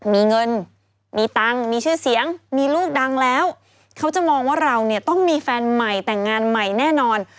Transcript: มีเงินมีตังค์มีชื่อเสียงมีลูกดังแล้วเขาจะมองว่าเราเนี่ยต้องมีแฟนใหม่แต่งงานใหม่แน่นอน